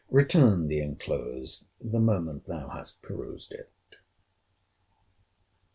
Return the enclosed the moment thou hast perused it.